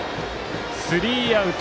スリーアウト。